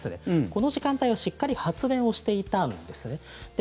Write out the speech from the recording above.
この時間帯はしっかり発電していたんですね。